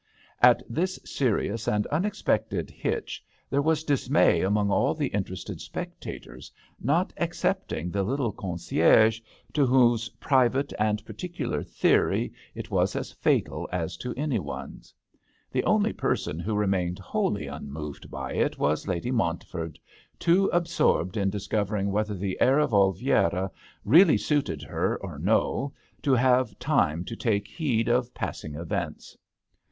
At this serious and unexpected hitch there was dismay among all the interested spectators, not excepting the little concierge, to whose private and particular theory it was as fatal as to any one's. The only person who re mained wholly unmoved by it was Lady Montford — too absorbed in discovering whether the air of Oliviera really suited her or no to have time to take heed of passing events.